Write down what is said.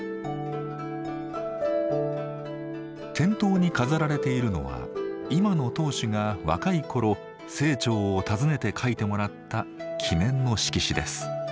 店頭に飾られているのは今の当主が若い頃清張を訪ねて書いてもらった記念の色紙です。